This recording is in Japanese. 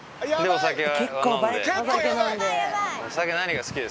お酒は。